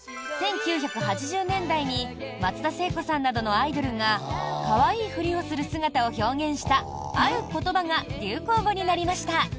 １９８０年代に松田聖子さんなどのアイドルが可愛いふりをする姿を表現したある言葉が流行語になりました。